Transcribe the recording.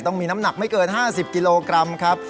ต้องมีน้ำหนักไม่เกิน๕๐กิโลกรัมครับ